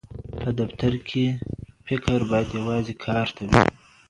په دفتر کې فکر باید یوازې کار ته وي.